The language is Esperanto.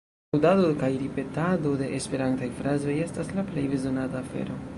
Aŭdado kaj ripetado de esperantaj frazoj estas la plej bezonata afero.